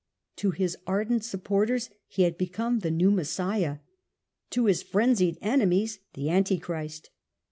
To his ardent supporters he had become the new Messiah, to his frenzied enemies the Antichrist.